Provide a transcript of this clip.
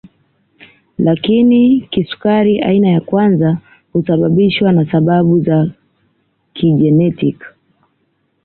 Lakini kisukari aina ya kwanza husababishwa na sababu za kijenetiki